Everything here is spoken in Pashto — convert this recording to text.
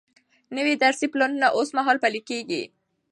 نوي درسي پلانونه اوس مهال پلي کیږي.